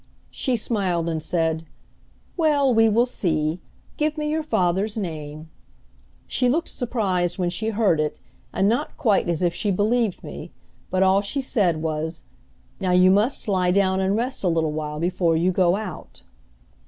She smiled and said, "Well, we will see! Give me your father's name." She looked surprised when she heard it and not quite as if she believed me, but all she said was, "Now you must lie down and rest a little while before you go out."